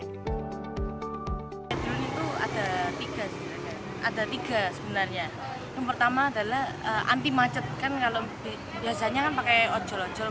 drone itu ada tiga sebenarnya yang pertama adalah anti macet biasanya kan pakai ojol ojol